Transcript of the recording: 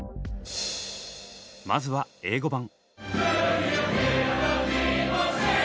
まずは英語版。